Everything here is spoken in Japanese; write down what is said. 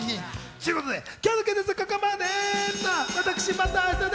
ということで、今日のクイズッスはここまで！